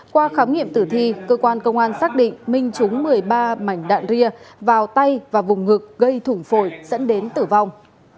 qua khám nghiệm tử thi cơ quan công an xác định minh trúng một mươi ba mảnh đạn ria vào tay và vùng ngực gây thủng phổi dẫn đến tử vong